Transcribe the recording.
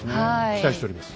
期待しております。